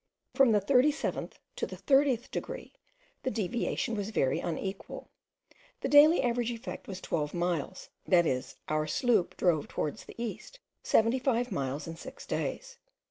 From the 37th to the 30th degree, the deviation was very unequal; the daily average effect was 12 miles, that is, our sloop drove towards the east 75 miles in six days.